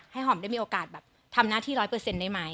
ให้หอมได้มีโอกาสทำหน้าที่๑๐๐เปอร์เซ็นต์ได้ไหม